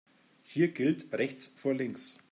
Hier gilt rechts vor links.